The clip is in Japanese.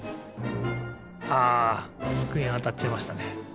あつくえにあたっちゃいましたね。